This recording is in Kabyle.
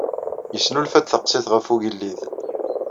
Yesnulfa-d taqsiṭ ɣef ugellid.